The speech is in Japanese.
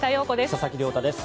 佐々木亮太です。